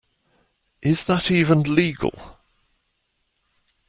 Is that even legal?